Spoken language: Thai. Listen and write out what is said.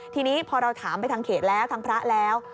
ทีนี้พอเราถามไปทางเขตแล้วทางพระแล้ว